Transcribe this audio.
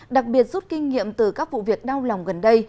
đặc biệt rút kinh nghiệm từ các vụ việc đau lòng gần đây